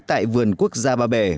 tại vườn quốc gia ba bể